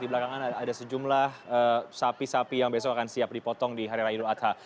di belakangan ada sejumlah sapi sapi yang besok akan siap dipotong di hari raya idul adha